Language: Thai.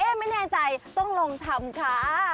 ไม่แน่ใจต้องลองทำค่ะ